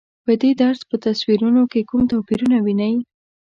په دې درس په تصویرونو کې کوم توپیرونه وینئ؟